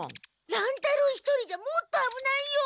乱太郎一人じゃもっとあぶないよ！